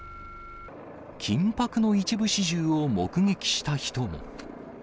緊迫の一部始終を目撃した人も。